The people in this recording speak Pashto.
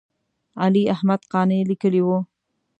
علي احمد قانع یې لیکلی و.